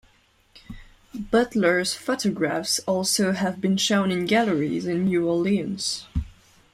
Butler's photographs also have been shown in galleries in New Orleans.